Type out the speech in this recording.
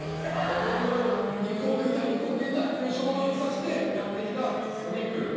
これぐらいもう肉を食いたい肉を食いたい！っていう衝動にさせてやってきたお肉。